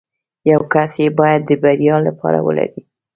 يو کس يې بايد د بريا لپاره ولري.